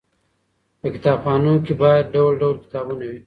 په کتابخانو کې باید ډول ډول کتابونه وي.